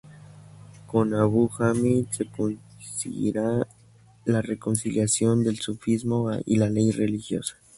Con Abu Hamid se conseguirá la reconciliación del sufismo y la ley religiosa.